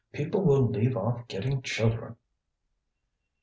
People will leave off getting children!"